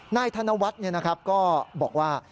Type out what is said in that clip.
ธนวัฒน์ก็บอกว่า